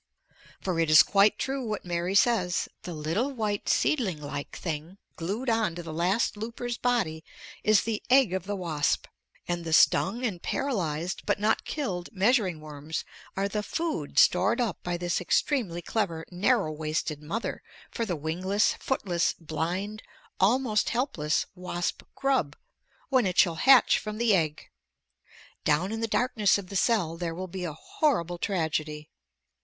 For it is quite true what Mary says. The little white seed like thing glued on to the last looper's body is the egg of the wasp, and the stung and paralyzed but not killed measuring worms are the food stored up by this extremely clever narrow waisted mother for the wingless, footless, blind, almost helpless wasp grub, when it shall hatch from the egg. Down in the darkness of the cell, there will be a horrible tragedy.